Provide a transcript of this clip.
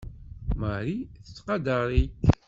Marie tettqadar-ik.